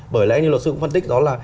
bởi lẽ như luật sư cũng phân tích đó là